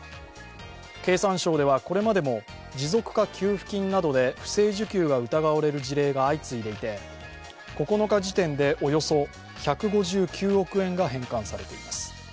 経産省ではこれまでも持続化給付金などで不正受給が疑われる事例が相次いでいて９日時点でおよそ１５９億円が返還されています。